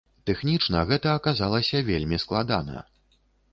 Тэхнічна гэта аказалася вельмі складана.